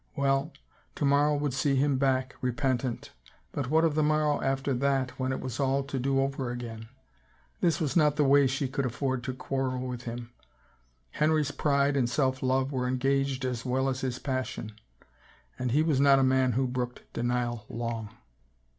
... Well, to morrow would see him back, repentant, but what of the morrow after that when it was all to do over again? ... This was not the way she could afford to quarrel with him; Henry's pride and self love were engaged as well as his passion and he was not a man who brooked denial long.